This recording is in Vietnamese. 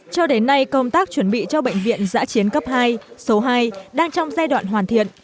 cho đến nay công tác chuẩn bị cho bệnh viện giã chiến cấp hai số hai đang trong giai đoạn hoàn thiện